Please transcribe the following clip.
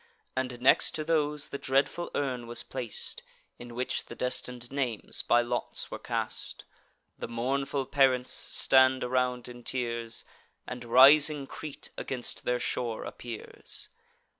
And next to those the dreadful urn was plac'd, In which the destin'd names by lots were cast: The mournful parents stand around in tears, And rising Crete against their shore appears.